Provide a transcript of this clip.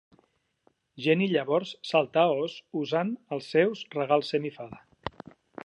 Jenny llavors salta a Oz usant els seus regals semi-fada.